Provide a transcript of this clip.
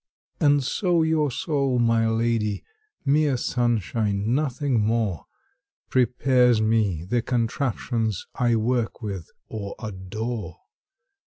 And so your soul, my lady (Mere sunshine, nothing more) Prepares me the contraptions I work with or adore.